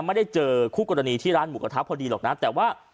ไม่ได้เจอคู่กรณีที่ร้านหมูกระทะพอดีหรอกนะแต่ว่า